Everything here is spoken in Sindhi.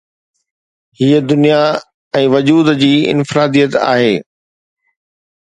هيءَ دنيا ۽ وجود جي انفراديت آهي.